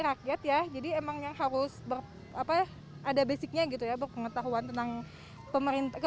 lihat ya jadi emangnya harus berapa ada basicnya gitu ya berpengetahuan tentang pemerintah ke